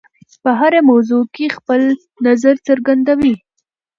په هره موضوع کې خپل نظر څرګندوي.